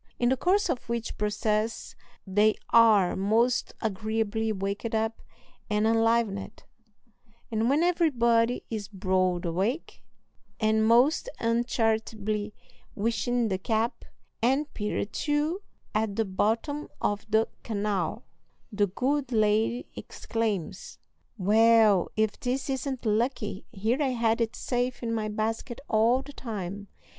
In the course of which process they are most agreeably waked up and enlivened; and when everybody is broad awake, and most uncharitably wishing the cap, and Peter too, at the bottom of the canal, the good lady exclaims, "Well, if this isn't lucky; here I had it safe in my basket all the time!"